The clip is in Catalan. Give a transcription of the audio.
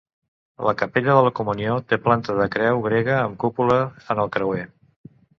La capella de la Comunió té planta de creu grega amb cúpula en el creuer.